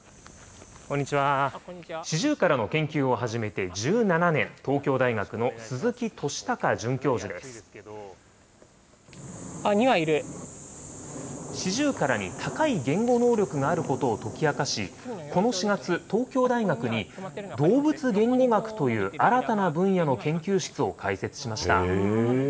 シジュウカラの研究を始めて１７年、シジュウカラに高い言語能力があることを解き明かし、この４月、東京大学に動物言語学という新たな分野の研究室を開設しました。